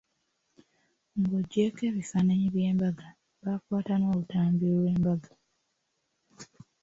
Ng'ogyeko ebifaananyi eby'embaga, baakwata n'olutambi lw'embaga.